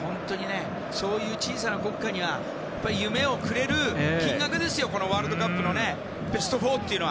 そういう小さな国家には夢をくれる金額ですよワールドカップのベスト４は。